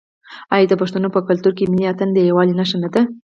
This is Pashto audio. آیا د پښتنو په کلتور کې ملي اتن د یووالي نښه نه ده؟